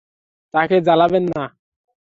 তাকে জ্বালাবেন না।